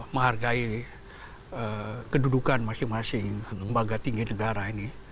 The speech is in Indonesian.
menghargai kedudukan masing masing lembaga tinggi negara ini